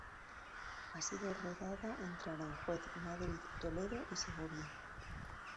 Ha sido rodada entre Aranjuez, Madrid, Toledo y Segovia.